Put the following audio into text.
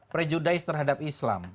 prejudis terhadap islam